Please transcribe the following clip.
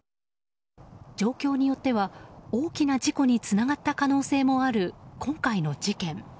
状況によっては大きな事故につながった可能性もある今回の事件。